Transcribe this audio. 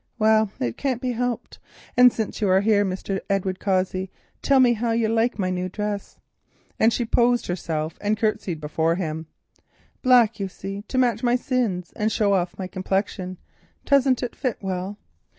Well, it can't be helped, and, since you are here, Mr. Edward Cossey, tell me how you like my new dress," and she posed herself and courtesied before him. "Black, you see, to match my sins and show off my complexion. Doesn't it fit well?"